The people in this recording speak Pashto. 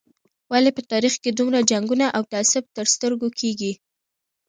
ولې په تاریخ کې دومره جنګونه او تعصب تر سترګو کېږي.